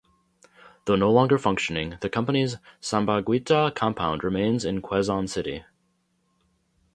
Though no longer functioning, the company's Sampaguita Compound remains in Quezon City.